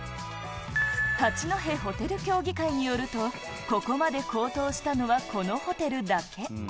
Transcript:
八戸ホテル協議会によると、ここまで高騰したのはこのホテルだけ。